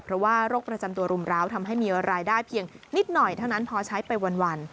เพราะว่าโรคประจำตัวรุมร้าวทำให้มีรายได้เพียงนิดหน่อยเท่านั้นพอใช้ไปวัน